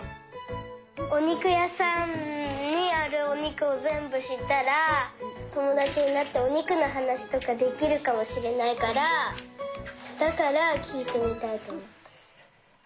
おにくやさんにあるおにくをぜんぶしったらともだちになっておにくのはなしとかできるかもしれないからだからきいてみたいとおもった。